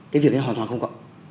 cái việc này hoàn toàn không có